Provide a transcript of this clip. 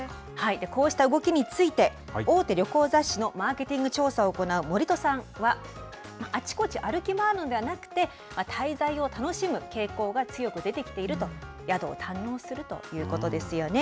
こうした動きについて、大手旅行雑誌のマーケティング調査を行う森戸さんは、あちこち歩き回るのではなくて、滞在を楽しむ傾向が強く出てきていると、宿を堪能するということですよね。